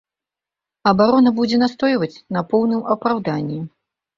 Абарона будзе настойваць на поўным апраўданні.